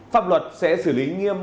pháp luật sẽ xử lý nghiêm